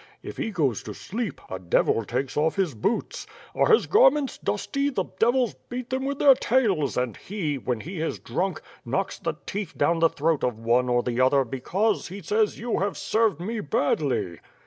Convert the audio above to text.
If he goes to sleep, a devil takes off his boots. Are his garments dusty, the devils beat them with their tails and he, when he is drunk, knocks the teeth down the throat of one or the other because, he says. You have served me badly.